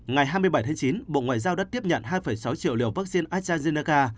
ngày hai mươi bảy tháng chín bộ ngoại giao đã tiếp nhận hai sáu triệu liều vaccine astrazeneca